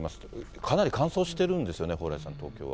かなり乾燥しているんですよね、蓬莱さん、東京は。